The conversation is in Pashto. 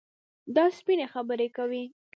دا سپيني خبري کوي.